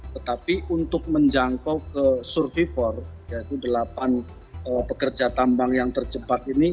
tetapi untuk menjangkau ke survivor yaitu delapan pekerja tambang yang tercepat ini